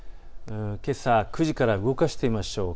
けさ９時から動かしてみましょう。